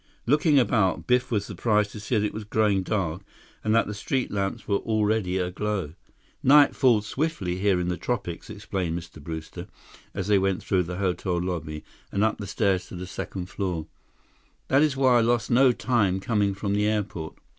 Looking about, Biff was surprised to see that it was growing dark and that the street lamps were already aglow. "Night falls swiftly here in the tropics," explained Mr. Brewster, as they went through the hotel lobby and up the stairs to the second floor. "That is why I lost no time coming from the airport.